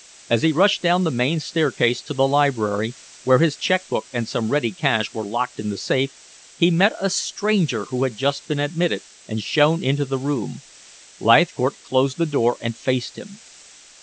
As he rushed down the main staircase to the library, where his check book and some ready cash were locked in the safe, he met a stranger who had just been admitted and shown into the room. Leithcourt closed the door and faced him.